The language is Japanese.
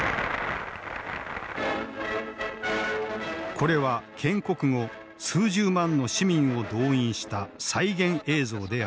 これは建国後数十万の市民を動員した再現映像である。